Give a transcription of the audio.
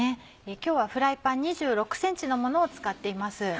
今日はフライパン２６ｃｍのものを使っています。